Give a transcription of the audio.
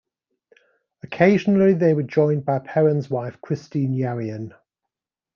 Occasionally, they were joined by Perren's wife Christine Yarian.